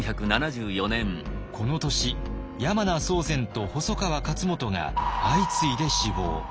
この年山名宗全と細川勝元が相次いで死亡。